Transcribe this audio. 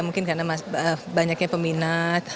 mungkin karena banyaknya peminat